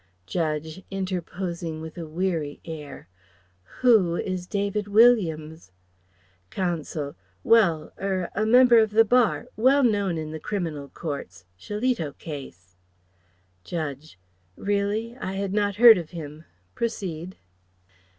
Judge, interposing with a weary air: "Who is David Williams?" Counsel: "Well er a member of the Bar well known in the criminal courts Shillito case " Judge: "Really? I had not heard of him. Proceed."